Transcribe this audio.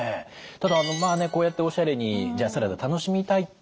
ただこうやっておしゃれにジャーサラダ楽しみたい。